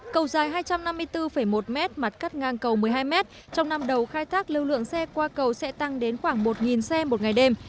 cầu dài hai trăm năm mươi bốn một m mặt cắt ngang cầu một mươi hai m trong năm đầu khai thác lưu lượng xe qua cầu sẽ tăng đến khoảng một xe một ngày đêm